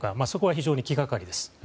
そこは非常に気がかりです。